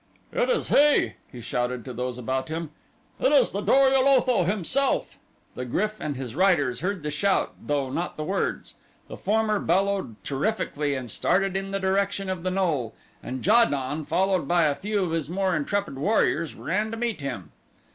"It is he!" he shouted to those about him. "It is the Dor ul Otho himself." The GRYF and his riders heard the shout though not the words. The former bellowed terrifically and started in the direction of the knoll, and Ja don, followed by a few of his more intrepid warriors, ran to meet him.